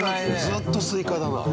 ずっとスイカだな。